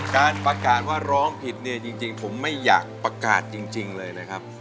การปการว่าร้องผิดจริงผมไม่อยากปาการจริงเลยครับ